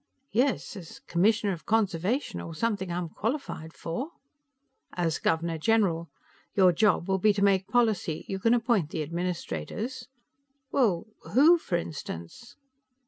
"Yes, as Commissioner of Conservation, or something I'm qualified for." "As Governor General. Your job will be to make policy. You can appoint the administrators." "Well, who, for instance?"